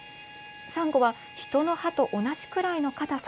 サンゴは人の歯と同じぐらいの硬さ。